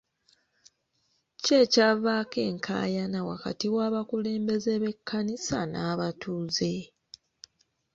Ki ekyavaako enkaayana wakati w'abakulembeze b'ekkanisa n'abatuuze?